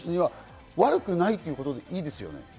悪くないということでいいですよね。